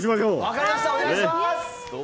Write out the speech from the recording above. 分かりました、お願いします。